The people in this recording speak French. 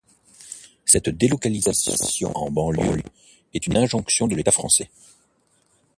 Cette délocalisation en banlieue est une injonction de l'État français.